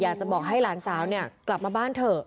อยากจะบอกให้หลานสาวเนี่ยกลับมาบ้านเถอะ